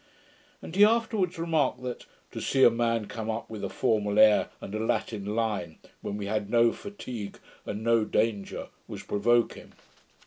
And he afterwards remarked, that, 'to see a man come up with a formal air, and a Latin line, when we had no fatigue and no danger, was provoking.'